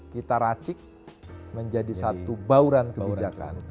kita racik menjadi satu bauran kebijakan